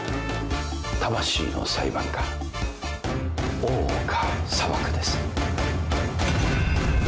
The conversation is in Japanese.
魂の裁判官大岡裁です。